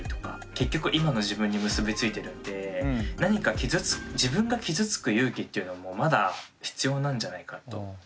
結局今の自分に結び付いてるんで何か自分が傷つく勇気っていうのもまだ必要なんじゃないかと。